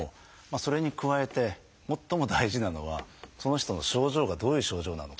それに加えて最も大事なのはその人の症状がどういう症状なのか。